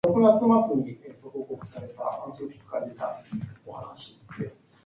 The lyrics revolve around "a tale of ecstatic love turned toxic".